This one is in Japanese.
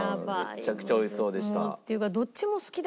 めちゃくちゃ美味しそうでした。